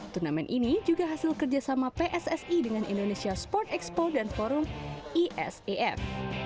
turnamen ini juga hasil kerjasama pssi dengan indonesia sport expo dan forum esef